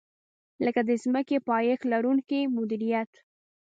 لکه د ځمکې پایښت لرونکې مدیریت.